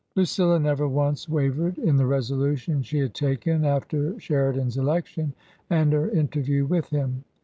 Lucilla never once wavered in the resolution she had taken after Sheridan's election and her interview with him.